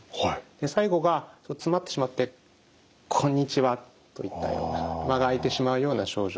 最後が詰まってしまって「こんにちは」といったような間があいてしまうような症状。